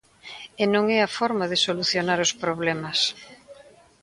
E non é a forma de solucionar os problemas.